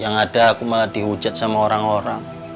yang ada aku malah dihujat sama orang orang